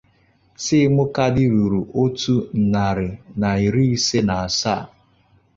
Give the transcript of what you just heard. sim kaadị ruru otu narị na iri ise n asaa